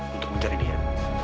untuk mencari dia